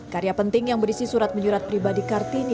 karya penting yang berisi surat menyurat pribadi kartini